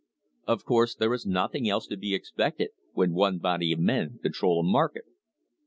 Of course there is noth ing else to be expected when one body of men control a market.